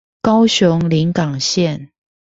高雄臨港線